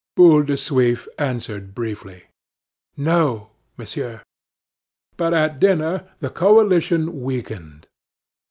Boule de Suif answered briefly: "No, monsieur." But at dinner the coalition weakened.